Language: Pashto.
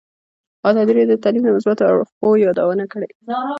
ازادي راډیو د تعلیم د مثبتو اړخونو یادونه کړې.